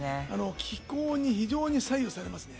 気候に非常に左右されますね